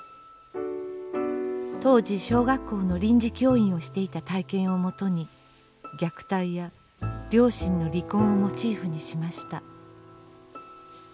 当時小学校の臨時教員をしていた体験をもとに虐待や両親の離婚をモチーフにしました。